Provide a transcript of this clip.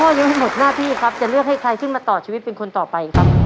ยังไม่หมดหน้าที่ครับจะเลือกให้ใครขึ้นมาต่อชีวิตเป็นคนต่อไปครับ